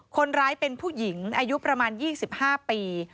คนร้ายเป็นผู้หญิงอายุประมาณ๒๕ปี